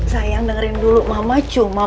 sayang dengerin dulu mama cuma